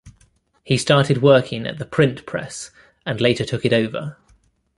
He started working at the print press and later took it over.